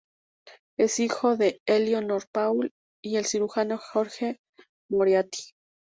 Es hijo de Elinor Paul y del cirujano George Moriarty.